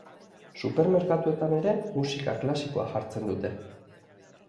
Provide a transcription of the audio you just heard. Supermerkatuetan ere, musika klasikoa jartzen dute.